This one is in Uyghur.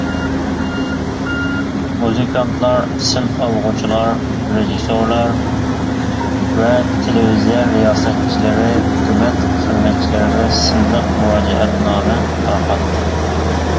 مۇزىكانتلار ، سىن ئالغۇچىلار ، رېژىسسورلار ۋە تېلېۋىزىيە رىياسەتچىلىرى ھۆكۈمەت خىزمەتچىلىرىگە سىنلىق مۇراجىئەتنامە تارقاتتى.